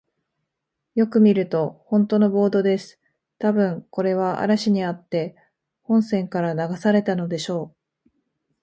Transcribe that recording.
よく見ると、ほんとのボートです。たぶん、これは嵐にあって本船から流されたのでしょう。